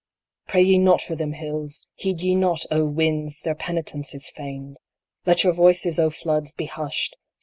Pray ye not for them, hills ! Heed ye not, O winds, their penitence is feigned ! Let your voices, O floods, be hushed